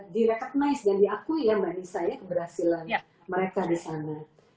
di rekenize dan diakui ya mbak nisa ya keberhasilan mereka di sana